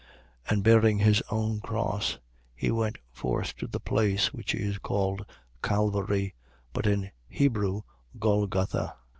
19:17. And bearing his own cross, he went forth to the place which is called Calvary, but in Hebrew Golgotha.